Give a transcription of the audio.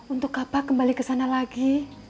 untuk apa kembali kesana lagi